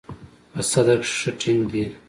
په ستر کښې ښه ټينګ دي.